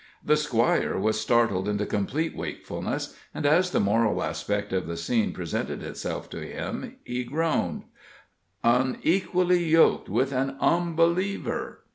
The squire was startled into complete wakefulness, and as the moral aspect of the scene presented itself to him, he groaned: "Onequally yoked with an onbeliever."